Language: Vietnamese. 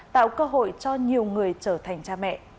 tạo cơ hội cho nhiều người trở thành cha mẹ